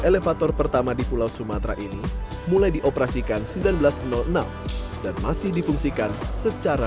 elevator pertama di pulau sumatera ini mulai dioperasikan seribu sembilan ratus enam dan masih difungsikan secara